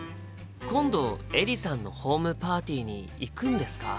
今度エリさんのホームパーティーに行くんですか？